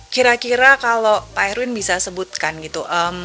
kira kira kalau pak erwin bisa sebutkan gitu